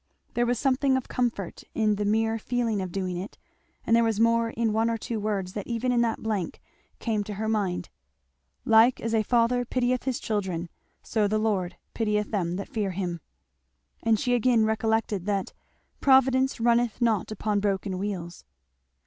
There was something of comfort in the mere feeling of doing it; and there was more in one or two words that even in that blank came to her mind; "Like as a father pitieth his children, so the Lord pitieth them that fear him;" and she again recollected that "Providence runneth not upon broken wheels."